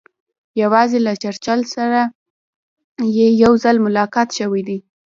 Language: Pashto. یوازې له چرچل سره یې یو ځل ملاقات شوی دی.